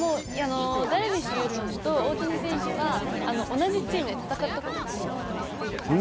ダルビッシュ有投手と大谷選手は同じチームで戦ったことがないんですよ。